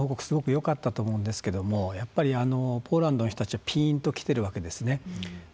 すごくよかったと思うんですけどもやっぱりポーランドの人たちはピンときてるわけですね。